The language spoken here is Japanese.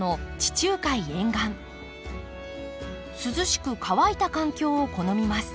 涼しく乾いた環境を好みます。